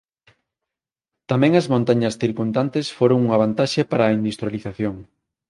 Tamén as montañas circundantes foron unha vantaxe para a industrialización.